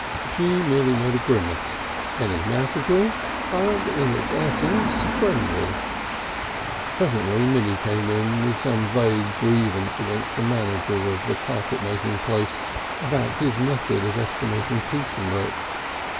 She merely made a grimace, enigmatical, but in its essence friendly. Presently Minnie came in with some vague grievance against the manager of the carpet making place about his method of estimating piece work.